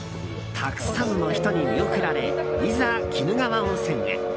たくさんの人に見送られいざ、鬼怒川温泉へ。